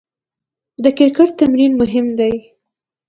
د کرکټ تمرین مهم دئ.